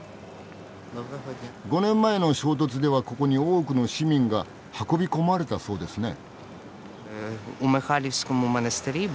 ５年前の衝突ではここに多くの市民が運び込まれたそうですね？